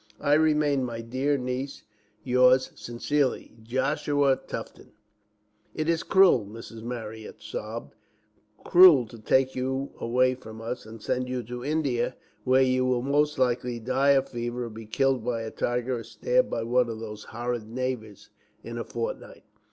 I remain, my dear niece, yours sincerely, "Joshua Tufton." "It is cruel," Mrs. Marryat sobbed, "cruel to take you away from us, and send you to India, where you will most likely die of fever, or be killed by a tiger, or stabbed by one of those horrid natives, in a fortnight."